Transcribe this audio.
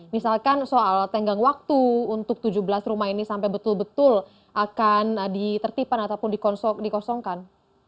misalkan soal tenggang waktu untuk tujuh belas rumah ini sampai betul betul akan ditertipan ataupun dikosongkan